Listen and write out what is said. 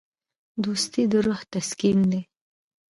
دوستي د روح تسکین دی.